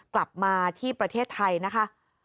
กลับมาที่ประเทศไทยนะคะ